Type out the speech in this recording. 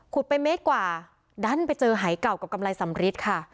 ไปเมตรกว่าดันไปเจอหายเก่ากับกำไรสำริทค่ะ